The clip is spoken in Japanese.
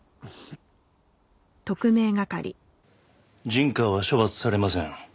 陣川は処罰されません。